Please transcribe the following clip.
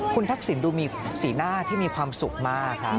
คุณทักษิณดูมีสีหน้าที่มีความสุขมากครับ